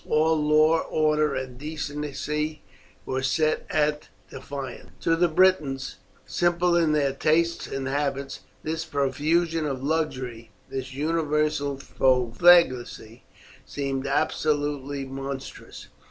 All law, order, and decency were set at defiance. To the Britons, simple in their tastes and habits, this profusion of luxury, this universal profligacy seemed absolutely monstrous.